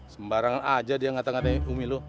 sembarangan aja dia ngata ngatain umi lu